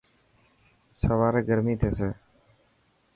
سواري گرمي ٿيسي.